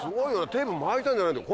テープ巻いたんじゃないんだよ